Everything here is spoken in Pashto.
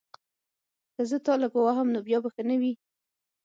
که زه تا لږ ووهم نو بیا به ښه نه وي